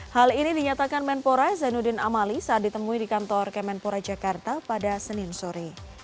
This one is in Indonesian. hal ini dinyatakan menpora zainuddin amali saat ditemui di kantor kemenpora jakarta pada senin sore